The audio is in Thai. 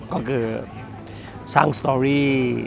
ก็คือสร้างดนตรี